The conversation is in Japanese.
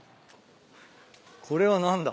これは何だ？